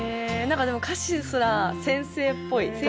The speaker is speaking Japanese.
何かでも歌詞すら先生っぽい。